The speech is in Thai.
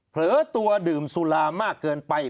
เผลอตัวดื่มสุรามากเกินไป